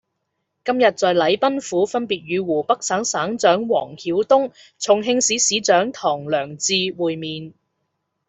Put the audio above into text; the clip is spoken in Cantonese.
今日在禮賓府分別與湖北省省長王曉東、重慶市市長唐良智會面